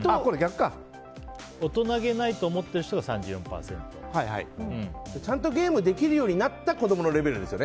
大人げないと思ってる人がちゃんとゲームできるようになった子供のレベルですよね。